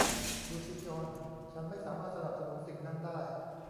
ดูสิจอห์น ฉันไม่สามารถสนับสนุนสิ่งนั้นได้